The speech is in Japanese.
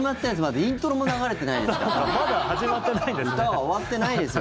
歌は終わってないですよ。